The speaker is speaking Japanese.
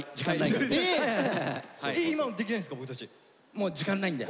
もう時間ないんで。